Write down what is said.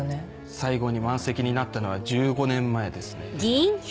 最後に満席になったのは１５年前ですね。